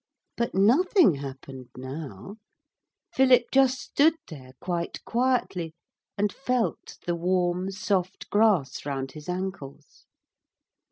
But nothing happened now Philip just stood there quite quietly and felt the warm soft grass round his ankles.